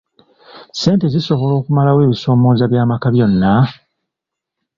Ssente zisobola okumalawo ebisoomooza by'amaka byonna?